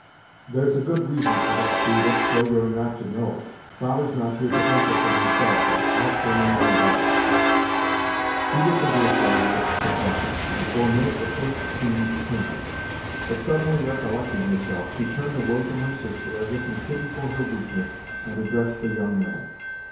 "There's a good reason for that, Judith, though you're not to know it. Father's not here to answer for himself, and I'll say no more about it." Judith and Deerslayer looked surprised, and for a minute the first seemed pained. But, suddenly recollecting herself, she turned away from her sister, as if in pity for her weakness and addressed the young man.